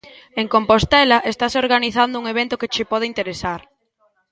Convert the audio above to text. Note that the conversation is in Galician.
En Compostela estase organizando un evento que che pode interesar.